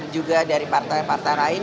juga dari partai partai lain